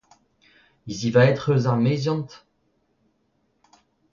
Hizivaet 'c'h eus ar meziant ?